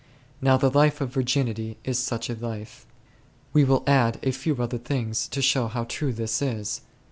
Now the life of Virginity is such a life. We will add a few other things to show how true this is.